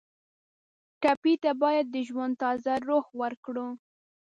ټپي ته باید د ژوند تازه روح ورکړو.